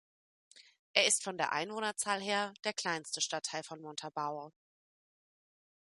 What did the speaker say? Er ist von der Einwohnerzahl her der kleinste Stadtteil von Montabaur.